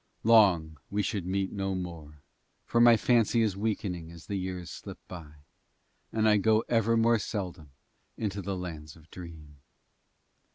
Long we should meet no more, for my fancy is weakening as the years slip by, and I go ever more seldom into the Lands of Dream.